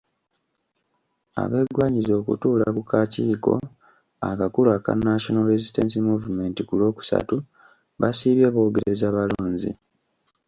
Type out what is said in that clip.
Abeegwanyiza okutuula ku kakiiko akakulu aka National Resistance Movement ku Lwokusatu basiibye boogereza balonzi.